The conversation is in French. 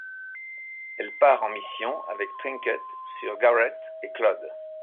Elle part en mission avec Trinket, Sir Garrett et Clod.